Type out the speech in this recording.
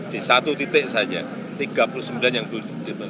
di satu titik saja tiga puluh sembilan yang belum ditemukan